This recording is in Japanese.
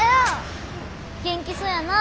元気そやな。